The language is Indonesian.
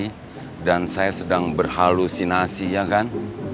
kalau saya sedang bermimpi dan saya sedang berhalusinasi ya kan